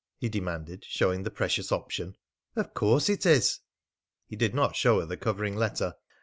he demanded, showing the precious option. "Of course it is." He did not show her the covering letter.